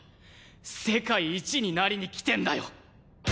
世界一になりに来てんだよ。